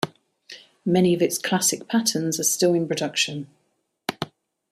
Many of its classic patterns are still in production.